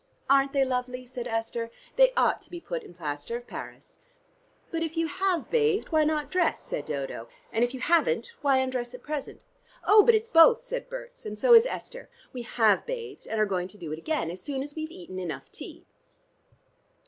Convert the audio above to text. "Aren't they lovely?" said Esther. "They ought to be put in plaster of Paris." "But if you have bathed, why not dress?" said Dodo; "and if you haven't, why undress at present?" "Oh, but it's both," said Berts, "and so is Esther. We have bathed, and are going to do it again, as soon as we've eaten enough tea."